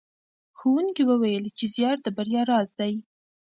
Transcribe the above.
ښوونکي وویل چې زیار د بریا راز دی.